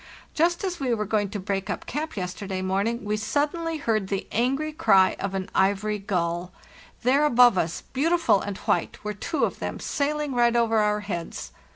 Just as were going to break up camp yesterday morning we suddenly heard the angry cry of an ivory gull; there, above us, beautiful and white, were two of them sailing right over our heads.